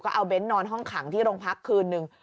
เอาเน้นนอนห้องขังที่โรงพักคืนนึง